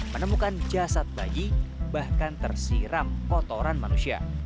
menemukan jasad bayi bahkan tersiram kotoran manusia